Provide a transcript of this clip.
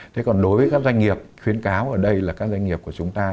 thế còn đối với các doanh nghiệp khuyến cáo ở đây là các doanh nghiệp của chúng ta